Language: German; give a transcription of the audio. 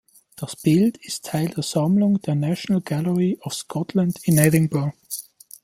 Das Bild ist Teil der Sammlung der National Gallery of Scotland in Edinburgh.